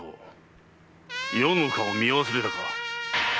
余の顔を見忘れたか？